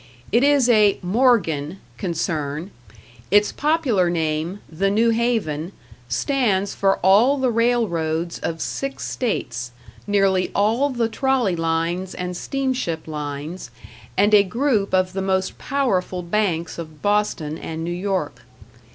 It is a "Morgan" concern; its popular name, "The New Haven", stands for all the railroads of six states, nearly all the trolley lines and steamship lines, and a group of the most powerful banks of Boston and New York.